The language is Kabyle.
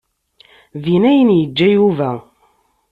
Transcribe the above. Din ay n-yeǧǧa Yuba.